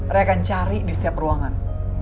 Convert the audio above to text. mereka akan cari di setiap ruangan